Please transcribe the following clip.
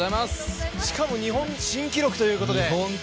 しかも日本新記録ということで。